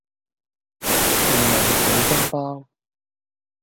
蓮蓉水晶包